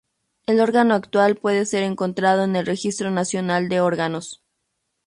El órgano actual puede ser encontrado en el Registro Nacional de Órganos.